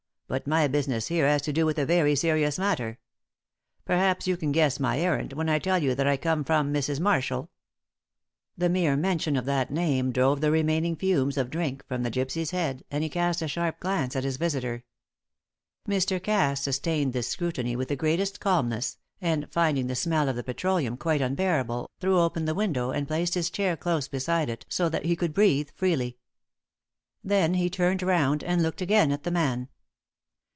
But my business here has to do with a very serious matter. Perhaps you can guess my errand when I tell you that I come from Mrs. Marshall." The mere mention of that name drove the remaining fumes of drink from the gypsy's head, and he cast a sharp glance at his visitor. Mr. Cass sustained this scrutiny with the greatest calmness, and, finding the smell of the petroleum quite unbearable, threw open the window and placed his chair close beside it so that he could breathe freely. Then he turned round and looked again at the man.